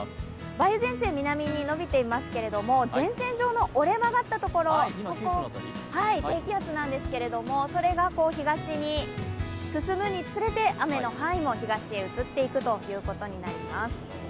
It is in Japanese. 梅雨前線、南にのびていますけれども、前線上の折れ曲がったところここ、低気圧なんですけど、それが東に進むにつれて雨の範囲も東へ移っていくということになります。